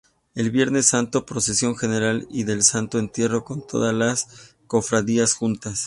El viernes santo: Procesión general y del santo entierro con todas las cofradías juntas.